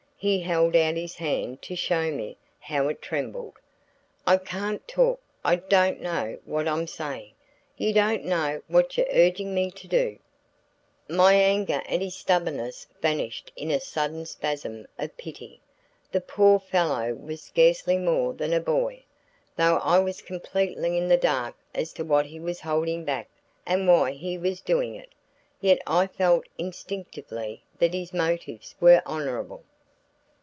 He held out his hand to show me how it trembled. "I can't talk I don't know what I'm saying. You don't know what you're urging me to do." My anger at his stubbornness vanished in a sudden spasm of pity. The poor fellow was scarcely more than a boy! Though I was completely in the dark as to what he was holding back and why he was doing it, yet I felt instinctively that his motives were honorable.